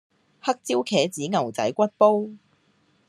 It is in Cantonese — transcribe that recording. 黑椒茄子牛仔骨煲